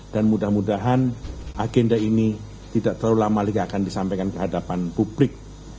dan mudah mudahan agenda ini tidak terlalu lama lagi akan disampaikan ke hadapan publik